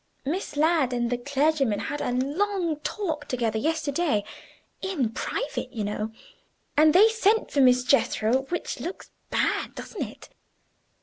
Miss Ladd and the clergyman had a long talk together yesterday (in private, you know), and they sent for Miss Jethro which looks bad, doesn't it?